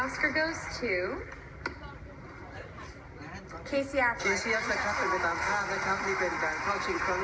และออสคาร์ไปถึง